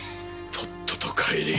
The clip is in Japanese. とっとと帰れ！